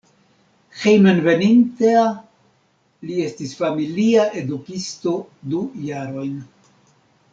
Hejmenveninta li estis familia edukisto du jarojn.